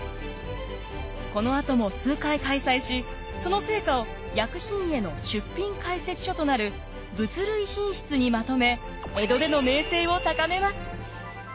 このあとも数回開催しその成果を薬品会の出品解説書となる「物類品隲」にまとめ江戸での名声を高めます。